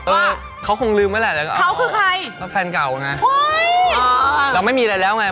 อุ๊ยเครื่องนี้มันอันตรายนะ